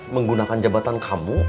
menggunakan jabatan kamu